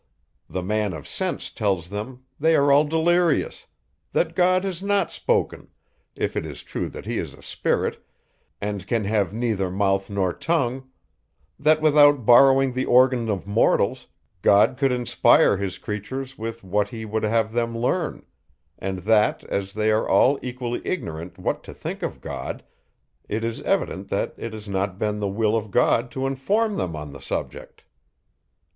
The man of sense tells them, they are all delirious; that God has not spoken, if it is true that he is a spirit, and can have neither mouth nor tongue; that without borrowing the organ of mortals, God could inspire his creatures with what he would have them learn; and that, as they are all equally ignorant what to think of God, it is evident that it has not been the will of God to inform them on the subject.